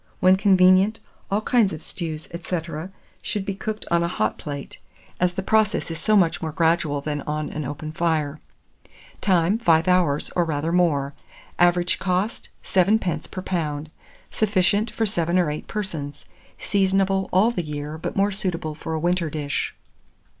When convenient, all kinds of stews, &c., should be cooked on a hot plate, as the process is so much more gradual than on an open fire. Time. 5 hours, or rather more. Average cost, 7d. per lb. Sufficient for 7 or 8 persons. Seasonable all the year, but more suitable for a winter dish.